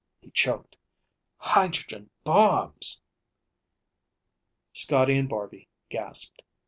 He choked: "Hydrogen bombs!" Scotty and Barby gasped.